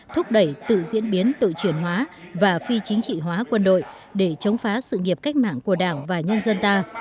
thúc đẩy tự diễn biến tự chuyển hóa và phi chính trị hóa quân đội để chống phá sự nghiệp cách mạng của đảng và nhân dân ta